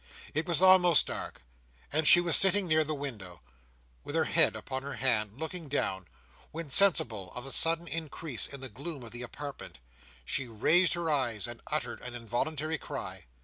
It was almost dark, and she was sitting near the window, with her head upon her hand, looking down, when, sensible of a sudden increase in the gloom of the apartment, she raised her eyes, and uttered an involuntary cry.